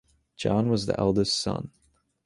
John was the eldest son.